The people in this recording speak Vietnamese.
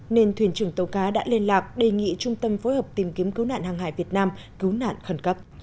nên thuyền trưởng tàu cá đã liên lạc đề nghị trung tâm phối hợp tìm kiếm cứu nạn hàng hải việt nam cứu nạn khẩn cấp